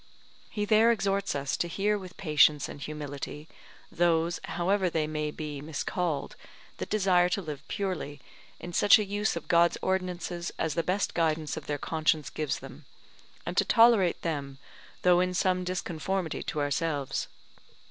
He there exhorts us to hear with patience and humility those, however they be miscalled, that desire to live purely, in such a use of God's ordinances, as the best guidance of their conscience gives them, and to tolerate them, though in some disconformity to ourselves.